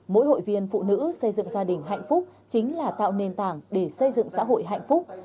mỗi hội viên phụ nữ xây dựng gia đình hạnh phúc chính là tạo nền tảng để xây dựng xã hội hạnh phúc